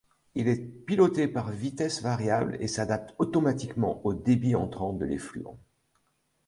Il est piloté par vitesse variable et s'adapte automatiquement au débit entrant de l'effluent.